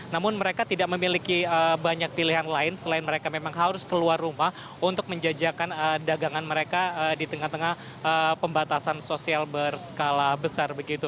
namun mereka tidak memiliki banyak pilihan lain selain mereka memang harus keluar rumah untuk menjajakan dagangan mereka di tengah tengah pembatasan sosial berskala besar begitu